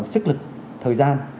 sức lực thời gian